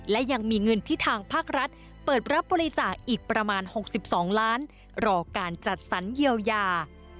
และยังมีเงินที่ทางภาครัฐเปิดรับบริจาคอีกประมาณ๖๒ล้านรอการจัดสรรเยียวยา